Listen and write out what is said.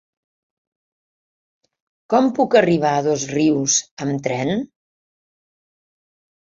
Com puc arribar a Dosrius amb tren?